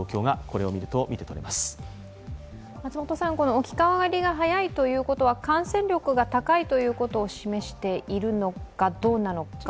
置き換わりが早いということは感染力が高いということを示しているのかどうなのか。